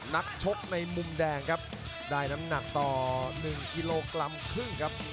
นักชกในมุมแดงครับได้น้ำหนักต่อ๑กิโลกรัมครึ่งครับ